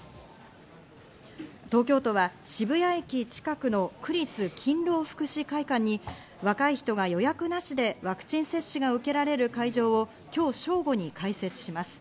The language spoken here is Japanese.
東京都は渋谷駅近くの区立勤労福祉会館に若い人が予約なしでワクチン接種が受けられる会場を今日正午に開設します。